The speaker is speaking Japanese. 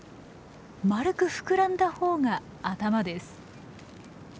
丸く膨らんだほうが頭です。